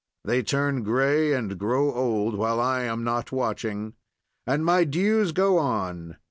They turn gray and grow old while I am not watching. And my dues go on.